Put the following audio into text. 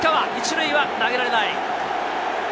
１塁は投げられない。